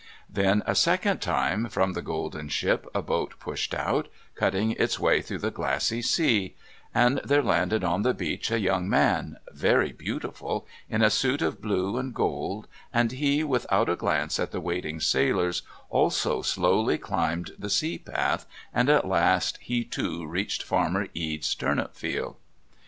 Then a second time from the golden ship a boat pushed out, cutting its way through the glassy sea and there landed on the beach a young man, very beautiful, in a suit of blue and gold, and he, without a glance at the waiting sailors, also slowly climbed the sea path, and at last he too reached Farmer Ede's turnip field.